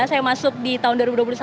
saya masuk di tahun dua ribu dua puluh satu